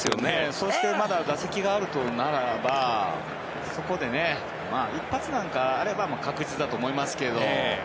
そしてまだ打席があるならばそこで一発なんかあれば確実だと思いますけど。